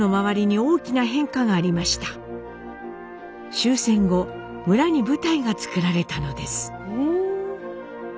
終戦後村に舞台がつくられたのです。